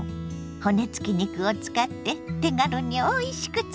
骨付き肉を使って手軽においしくつくりましょ。